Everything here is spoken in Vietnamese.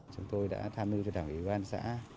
chúng tôi đã tham mưu cho đảng ủy ban xã